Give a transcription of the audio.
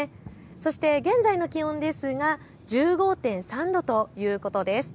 そして現在の気温は１５．３度ということです。